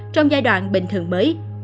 trong giai đoạn bình thường mới